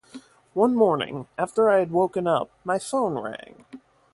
One morning, after I had woken up, my phone rang.